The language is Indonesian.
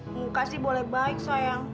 mengkasih boleh baik sayang